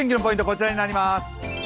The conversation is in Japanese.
こちらになります。